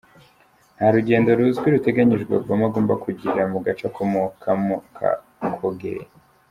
Nta rugendo ruzwi ruteganyijwe Obama agomba kugirira mu gace akomokamo ka Kogelo.